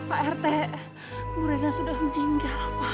pak erte bu rina sudah meninggal pak